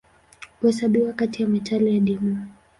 Huhesabiwa kati ya metali adimu.